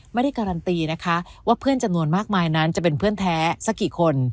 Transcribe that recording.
ไม่ได้การันตีนะคะว่าเพื่อนจำนวนมากมายนั้นจะเป็นเพื่อนแท้สักกี่คน